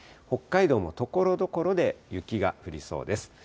北海道もところどころで雪が降りそうです。